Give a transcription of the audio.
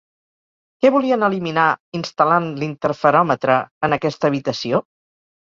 Què volien eliminar instal·lant l'interferòmetre en aquesta habitació?